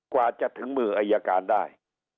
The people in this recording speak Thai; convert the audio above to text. กว่าจะถึงมืออายการได้